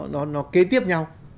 nó kế tiếp nhau